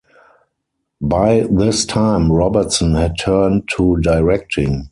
By this time Robertson had turned to directing.